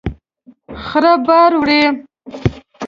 خره بار وړي